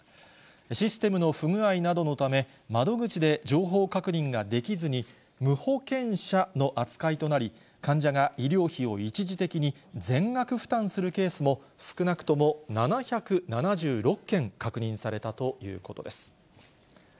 システムの不具合などのため、窓口で情報確認ができずに、無保険者の扱いとなり、患者が医療費を一時的に全額負担するケースも少なくとも７７６件確認されたということです。